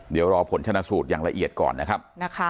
เดี๋ยวรอผลชนะสูตรอย่างละเอียดก่อนนะครับ